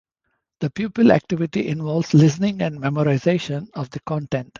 The pupil activity involves listening and memorization of the content.